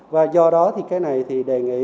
và do đó thì cái này thì đề nghị